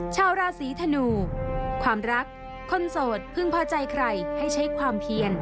ชาวราศีธนูความรักคนโสดพึงพอใจใครให้ใช้ความเพียน